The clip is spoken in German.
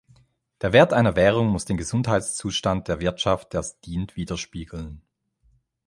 Der Wert einer Währung muss den Gesundheitszustand der Wirtschaft, der sie dient, widerspiegeln.